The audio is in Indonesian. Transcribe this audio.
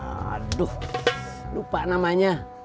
aduh lupa namanya